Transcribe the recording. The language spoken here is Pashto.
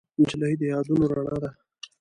نجلۍ د یادونو رڼا ده.